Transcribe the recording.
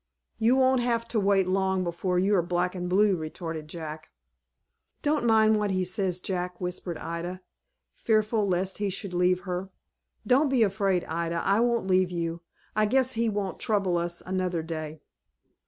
"You won't have to wait long before you are black and blue," retorted Jack. "Don't mind what he says, Jack," whispered Ida, fearful lest he should leave her. "Don't be afraid, Ida; I won't leave you; I guess he won't trouble us another day."